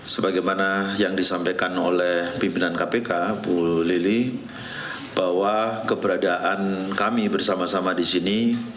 sebagaimana yang disampaikan oleh pimpinan kpk bu lili bahwa keberadaan kami bersama sama di sini